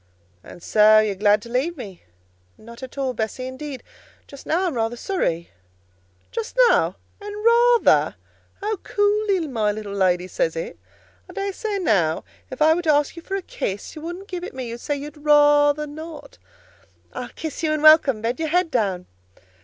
"And so you're glad to leave me?" "Not at all, Bessie; indeed, just now I'm rather sorry." "Just now! and rather! How coolly my little lady says it! I dare say now if I were to ask you for a kiss you wouldn't give it me: you'd say you'd rather not." "I'll kiss you and welcome: bend your head down."